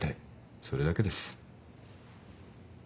それだけです。